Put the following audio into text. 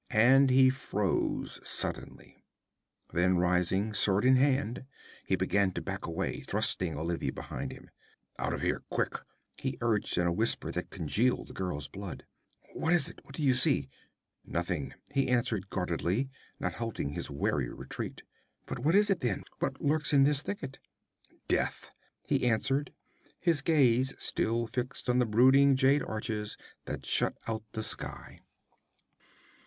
And he froze suddenly. Then rising, sword in hand, he began to back away, thrusting Olivia behind him. 'Out of here, quick!' he urged in a whisper that congealed the girl's blood. 'What is it? What do you see?' 'Nothing,' he answered guardedly, not halting his wary retreat. 'But what is it, then? What lurks in this thicket?' 'Death!' he answered, his gaze still fixed on the brooding jade arches that shut out the sky.